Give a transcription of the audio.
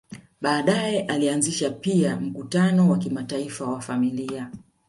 Baadae alianzisha pia mkutano wa kimataifa wa familia